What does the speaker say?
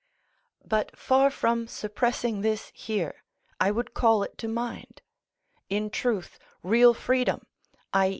But far from suppressing this here, I would call it to mind. In truth, real freedom, _i.